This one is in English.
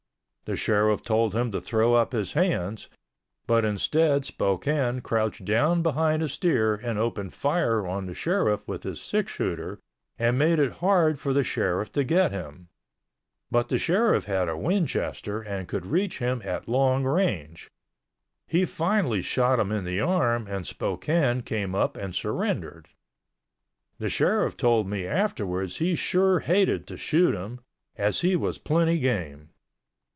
The Sheriff told him to throw up his hands, but instead Spokane crouched down behind his steer and opened fire on the Sheriff with his six shooter and made it hard for the Sheriff to get him, but the Sheriff had a Winchester and could reach him at long range. He finally shot him in the arm and Spokane came up and surrendered. The Sheriff told me afterwards he sure hated to shoot him, as he was plenty game.